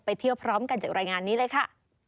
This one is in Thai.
เที่ยวพร้อมกันจากรายงานนี้เลยค่ะ